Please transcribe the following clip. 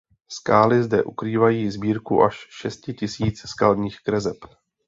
Skály zde ukrývají sbírku až šesti tisíc skalních kreseb.